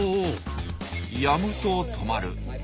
やむと止まる。